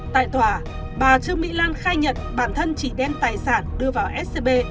tại tòa bà trương mỹ lan khai nhận bản thân chỉ đem tài sản đưa vào scb